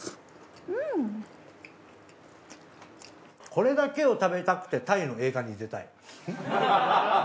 これだけを食べたくてタイの映画に出たい。